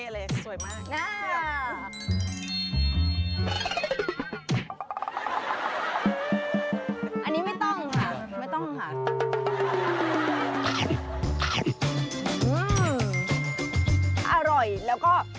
ระวังนิ้วนะคะ